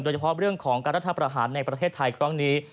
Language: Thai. โดยเฉพาะเรื่องของการรัฐประหารในประเทศไทยครั้งนี้